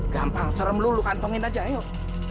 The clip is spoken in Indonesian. gampang serem lu kantongin aja yuk